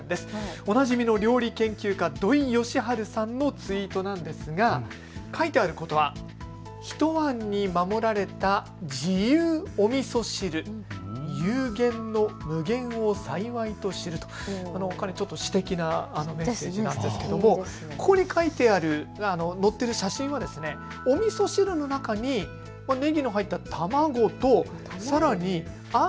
おなじみの料理研究家、土井善晴さんのツイートなんですが書いてあることはひと椀に守られた自由お味噌汁有限の無限を幸いと知る、私的なメッセージなんですけれど、ここに書いてある載っている写真もおみそ汁の中にねぎの入った卵とさらにあん